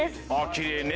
きれいね。